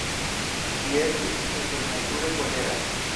Ŝi estis supermezure kolera!